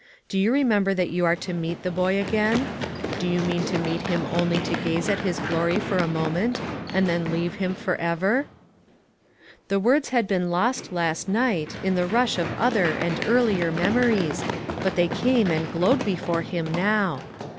Do you remem ber that you are to meet the boy again ? Do you mean to meet him only to gaze at his glory for a moment, and then leave him forever?" The words had been lost last night, in the rush of other and earlier memories, but 286 ONE COMMONPLACE DAY. they came and glowed before him now.